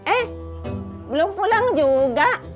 eh belum pulang juga